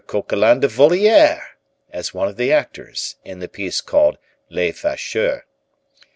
Coquelin de Voliere" as one of the actors, in the piece called "Les Facheux."